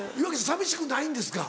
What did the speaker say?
寂しくないんですか？